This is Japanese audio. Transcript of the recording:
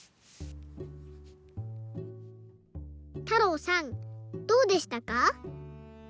たろうさんどうでしたか？